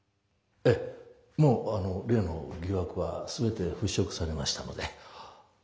ええもう例の疑惑は全て払拭されましたので。